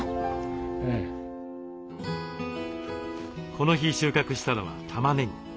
この日収穫したのはたまねぎ。